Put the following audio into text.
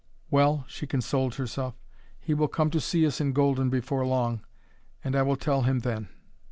"Well," she consoled herself, "he will come to see us in Golden before long, and I will tell him then."